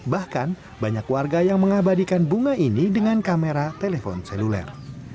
bahkan banyak warga yang mengabadikan bunga ini dengan kamera telepon seluler